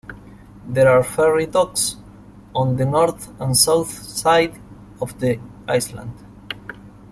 There are ferry docks on the north and south side of the island.